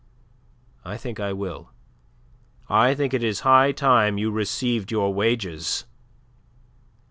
I think I will. I think it is high time you received your wages.